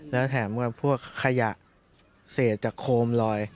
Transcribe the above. แล้วแถมกับพวกขยะเศษจากโคมลอย